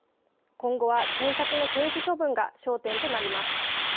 今後は検察の刑事処分が焦点となります。